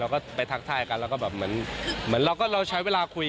ก็ไปทักทายกันแล้วก็แบบเหมือนเราก็เราใช้เวลาคุย